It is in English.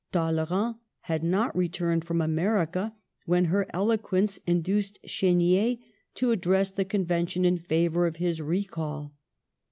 Talleyrand had not returned from America when her eloquence induced Chdnier to address the Convention in favor of his recall.